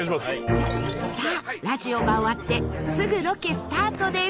さあラジオが終わってすぐロケスタートです。